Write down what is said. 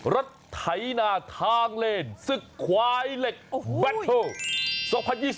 รัฐไทนาทางเล่นสึกควายเหล็กแบตเทอร์